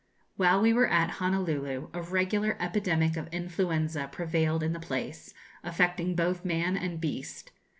While we were at Honolulu a regular epidemic of influenza prevailed in the place, affecting both man and beast.